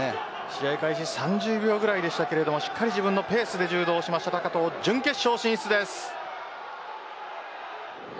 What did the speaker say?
試合開始３０秒くらいでしたがしっかり自分のペースで柔道をした高藤が準決勝進出です。